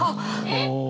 えっ！